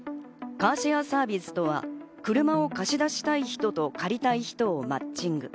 カーシェアサービスとは車を貸し出したい人と借りたい人をマッチング。